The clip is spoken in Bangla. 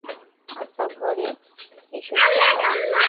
আচ্ছা, ঘরে এসে শোনো।